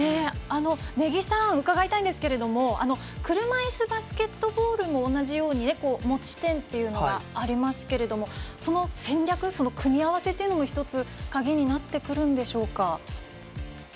根木さんに伺いたいんですが車いすバスケットボールも同じように持ち点というのがありますけれどもその戦略、組み合わせというのも１つ鍵になってくるんでしょうか。